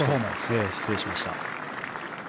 失礼しました。